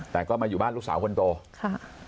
แต่ก็มาอยู่บ้านลูกสาวคนโตค่ะ